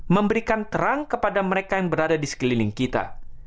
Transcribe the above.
memberikan terang kepada mereka yang berada di sekeliling kita